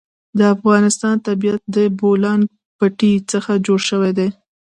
د افغانستان طبیعت له د بولان پټي څخه جوړ شوی دی.